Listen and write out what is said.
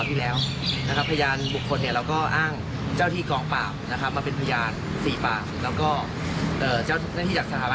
ภาคฟิสิคละครับ